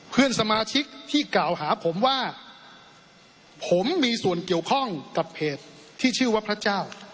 เพื่อนสมาชิกที่กล่าวหาผมว่าผมมีส่วนเกี่ยวข้องกับเพจที่ชื่อว่าพระเจ้า